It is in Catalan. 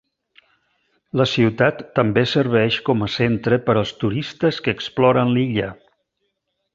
La ciutat també serveix com a centre per als turistes que exploren l'illa.